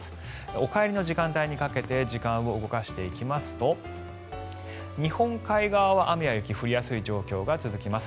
お帰りの時間帯にかけて時間を動かしていきますと日本海側は雨や雪降りやすい状況が続きます。